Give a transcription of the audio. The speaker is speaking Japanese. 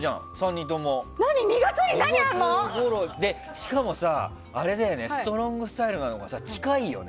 しかもストロングスタイルなのが近いよね。